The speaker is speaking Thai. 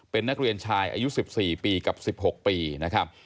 เป็นนักเรียนชายอายุ๑๔ปีกับ๑๖ปีนะครับ